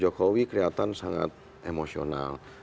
jokowi kelihatan sangat emosional